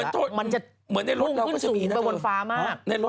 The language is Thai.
อุ้งขึ้นสุกบรรควรฟ้ามาก